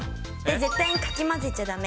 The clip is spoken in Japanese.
絶対にかき混ぜちゃだめ。